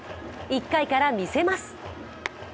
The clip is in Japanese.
１回から見せます。